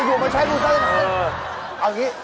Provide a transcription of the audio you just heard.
เอออยู่มันใช้รูปก็ได้